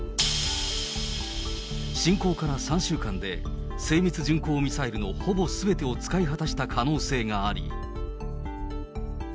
侵攻から３週間で、精密巡航ミサイルのほぼすべてを使い果たした可能性があり。